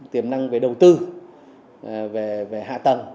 tiềm năng về đầu tư về hạ tầng